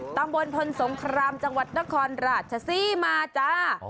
ตำบลพลสมครามจังหวัดตะคอนราชศีมาจ๊ะ